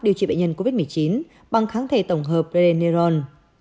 điều trị bệnh nhân covid một mươi chín bằng kháng thể tổng hợp pereneon